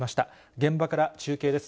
現場から中継です。